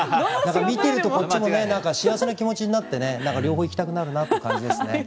こっちもねなんか幸せな気持ちになってなんか両方行きたくなるなという感じですね。